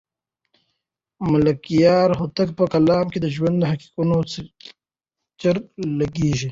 د ملکیار هوتک په کلام کې د ژوند د حقیقتونو څرک لګېږي.